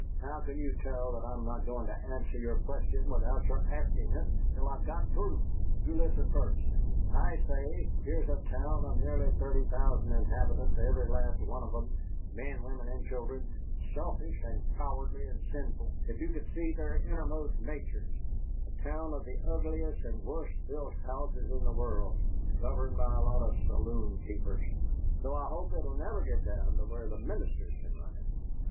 How can you tell that I'm not going to answer your question without your asking it, till I've got through? You listen first. I say, here's a town of nearly thirty thousand inhabitants, every last one of 'em men, women, and children selfish and cowardly and sinful, if you could see their innermost natures; a town of the ugliest and worst built houses in the world, and governed by a lot of saloon keepers though I hope it 'll never git down to where the ministers can run it.